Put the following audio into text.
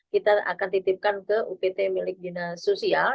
kita akan titipkan ke upt milik dinas sosial